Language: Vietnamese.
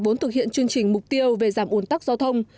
vốn thực hiện chương trình mục tiêu về giảm ủn tắc giao thông